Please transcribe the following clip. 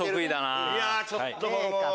いやちょっと僕も。